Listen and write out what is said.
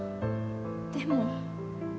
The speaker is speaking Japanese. でも。